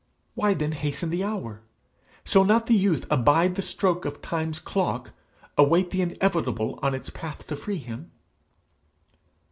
Why then hasten the hour? Shall not the youth abide the stroke of Time's clock await the Inevitable on its path to free him?'